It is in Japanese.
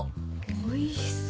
おいしそう